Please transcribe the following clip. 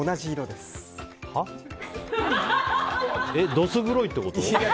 どす黒いってこと？